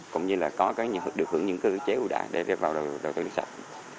cũng như là có những cơ chế ưu đại để vào đầu tư nước sạch